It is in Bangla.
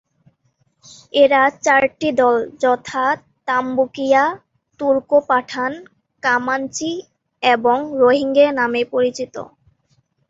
এরা চারটি দল যথা তামবুকিয়া, তুর্ক-পাঠান, কামাঞ্চি এবং রোহিঙ্গ্যা নামে পরিচিত।